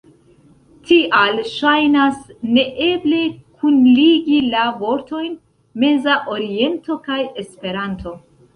Tial ŝajnas neeble kunligi la vortojn “Meza Oriento” kaj “Esperanto”.